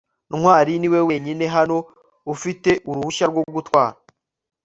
ntwali niwe wenyine hano ufite uruhushya rwo gutwara